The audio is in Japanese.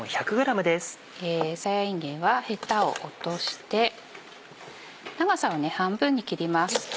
さやいんげんはヘタを落として長さを半分に切ります。